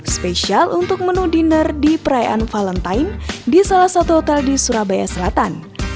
spesial untuk menu dinner di perayaan valentine di salah satu hotel di surabaya selatan